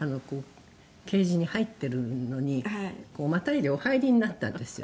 ケージに入ってるのにまたいでお入りになったんですよ」